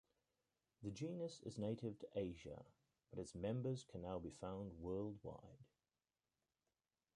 The genus is native to Asia, but its members can now be found worldwide.